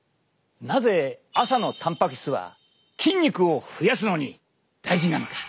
なぜ朝のたんぱく質は筋肉を増やすのに大事なのか？